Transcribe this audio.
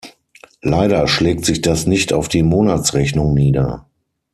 Leider schlägt sich das nicht auf die Monatsrechnung nieder.